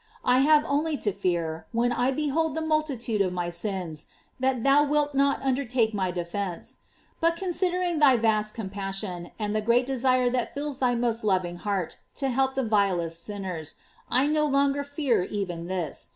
I have only to fear, when I behold the multitude of my sins, that thou wilt not undertake my defence; but considering thy vast compassion and the great desire that fills thy most loving heart to help the vilest sinners, I no longer fear even this.